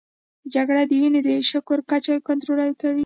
جگر د وینې د شکر کچه کنټرول کوي.